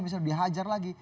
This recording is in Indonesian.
misalnya dihajar lagi